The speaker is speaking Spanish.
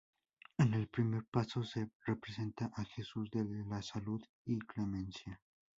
En el primer paso se representa a Jesús de la Salud y Clemencia.